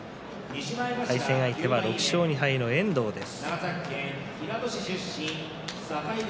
対戦相手は６勝２敗の遠藤です。